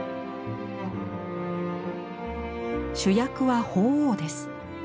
主役は鳳凰です。